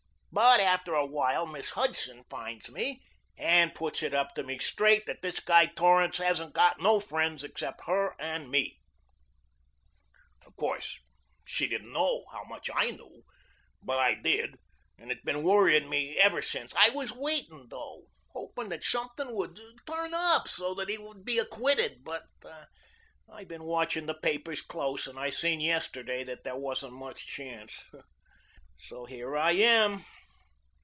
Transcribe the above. But after a while Miss Hudson finds me and puts it up to me straight that this guy Torrance hasn't got no friends except me and her. "Of course she didn't know how much I knew, but I did, and it's been worryin' me ever since. I was waiting, though, hopin' that something would turn up so that he would be acquitted, but I been watchin' the papers close, and I seen yesterday that there wasn't much chance, so here I am."